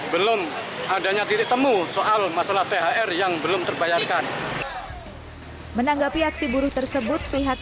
belum adanya titik temu soal masalah thr yang belum terbayarkan menanggapi aksi buruh tersebut pihak